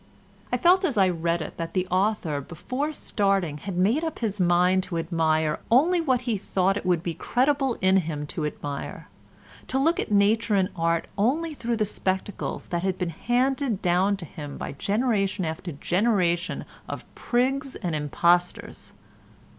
I felt as I read it that the author before starting had made up his mind to admire only what he thought it would be creditable in him to admire, to look at nature and art only through the spectacles that had been handed down to him by generation after generation of prigs and impostors.